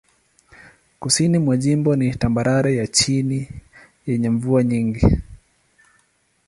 Kusini mwa jimbo ni tambarare ya chini yenye mvua nyingi.